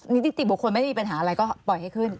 นิติบุคคลไม่ได้มีปัญหาอะไรก็ปล่อยให้ขึ้น